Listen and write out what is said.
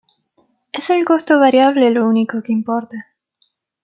Es el costo variable lo único que importa.